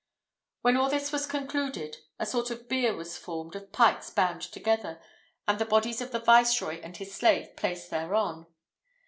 When all this was concluded, a sort of bier was formed of pikes bound together, and the bodies of the viceroy and his slave placed thereon.